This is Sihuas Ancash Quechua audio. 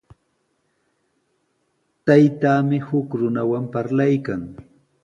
Taytaami huk runawan parlaykan.